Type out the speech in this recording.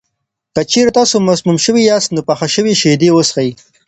که چېرې تاسو مسموم شوي یاست، نو پخه شوې شیدې وڅښئ.